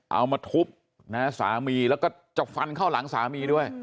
เอามาทุบสามีแล้วก็จะฟันเข้าหลังสามีด้วย